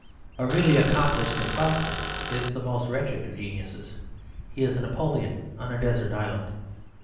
A really accomplished impostor is the most wretched of geniuses; he is a Napoleon on a desert island.